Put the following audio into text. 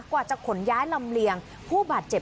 กว่าจะขนย้ายลำเลียงผู้บาดเจ็บ